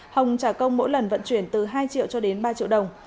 hồng trả công mỗi lần vận chuyển từ hai triệu cho đến ba triệu đồng